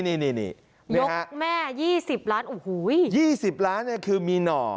ยกแม่๒๐ล้าน๒๐ล้านเนี่ยคือมีหน่อ